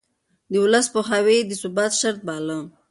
د ولس پوهاوی يې د ثبات شرط باله.